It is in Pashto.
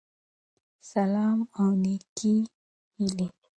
سلام او نيکي هیلی